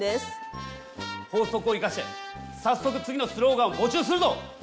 法則を生かして早速次のスローガンを募集するぞ！